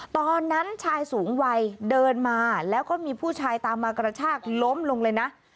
ตอนนั้นชายสูงวัยเดินมาแล้วก็มีผู้ชายตามมากระชากล้มลงเลยนะ